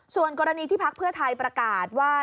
ส่วนกรณีที่พักเพื่อไทยประกาศว่า